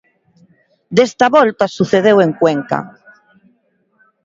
Desta volta sucedeu en Cuenca.